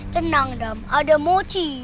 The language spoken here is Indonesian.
tenang adam ada mochi